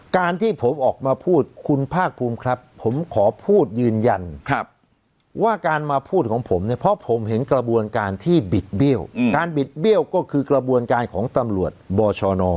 การที่ผมออกมาพูดคุณภาคภูมิครับผมขอพูดยืนยันว่าการมาพูดของผมเนี่ยเพราะผมเห็นกระบวนการที่บิดเบี้ยวการบิดเบี้ยวก็คือกระบวนการของตำรวจบชน